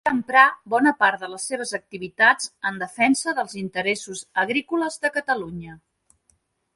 També emprà bona part de les seves activitats en defensa dels interessos agrícoles de Catalunya.